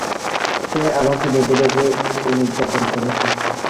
সে আমাকে বেঁধে রেখে, নির্যাতন করেছে।